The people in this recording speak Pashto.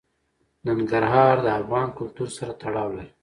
ننګرهار د افغان کلتور سره تړاو لري.